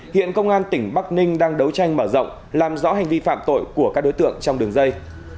hiện công an tỉnh bắc ninh đang đấu tranh mở rộng làm rõ hành vi phạm tội của các đối tượng trong đường dây